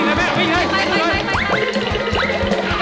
มานี่มานี่ครับ